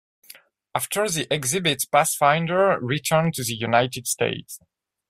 After the exhibit, "Pathfinder" returned to the United States.